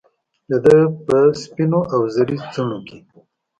دده په سپینواوزري څڼوکې